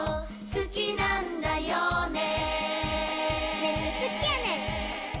「好きなんだよね？」